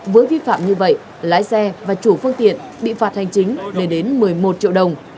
với vi phạm như vậy lái xe và chủ phương tiện bị phạt hành chính lên đến một mươi một triệu đồng